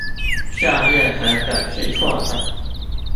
下列何者是錯的？